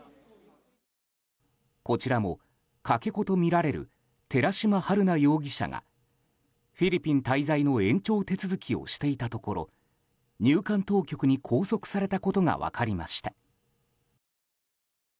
こちらも、かけ子とみられる寺島春奈容疑者がフィリピン滞在の延長手続きをしていたところ入管当局に拘束されたことが分かりました。